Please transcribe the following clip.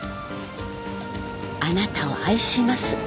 「あなたを愛します」よ。